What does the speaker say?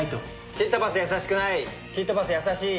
キットパス優しくないキットパス優しい？